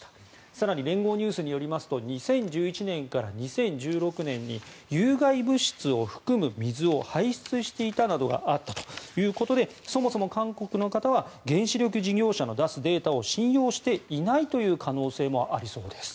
更に、連合ニュースによりますと２０１１年から２０１６年に有害物質を含む水を排出していたなどがあったということでそもそも韓国の方は原子力事業者の出すデータを信用していないという可能性もありそうです。